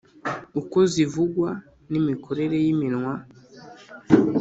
ukozivugwa n’imikorere y’iminwa.